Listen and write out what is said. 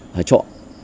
là ở trọ